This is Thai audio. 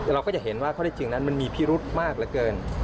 เราก็จะเห็นว่าข้อได้จริงนั้นมันมีพิรุธมากเหลือเกิน